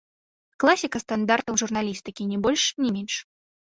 Класіка стандартаў журналістыкі, ні больш, ні менш.